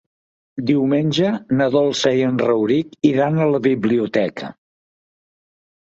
Diumenge na Dolça i en Rauric iran a la biblioteca.